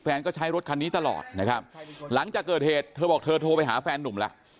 ก็ใช้รถคันนี้ตลอดนะครับหลังจากเกิดเหตุเธอบอกเธอโทรไปหาแฟนนุ่มแล้ว